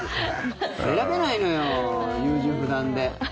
選べないのよ、優柔不断で。